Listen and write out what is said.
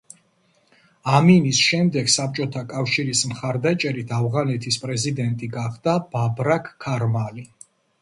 ამინის შემდეგ საბჭოთა კავშირის მხარდაჭერით ავღანეთის პრეზიდენტი გახდა ბაბრაქ ქარმალი.